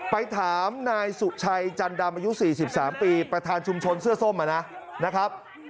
ไปถามนายสุชัยจันดำอายุ๔๓ปีประธานชุมชนเสื้อส้มนะครับ